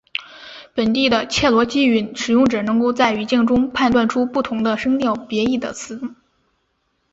本地的切罗基语使用者能够在语境中判断出不同的声调别义的词。